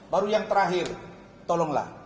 baru yang terakhir tolonglah